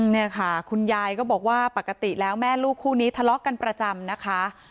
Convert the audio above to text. เนี่ยค่ะคุณยายก็บอกว่าปกติแล้วแม่ลูกคู่นี้ทะเลาะกันประจำนะคะ